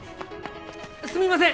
すみません